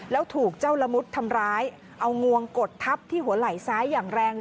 แล้วถูกเจ้าละมุดทำร้ายเอางวงกดทับที่หัวไหล่ซ้ายอย่างแรง